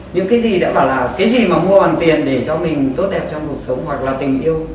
những cái gì đã bảo là cái gì mà mua hoàn tiền để cho mình tốt đẹp trong cuộc sống hoặc là tình yêu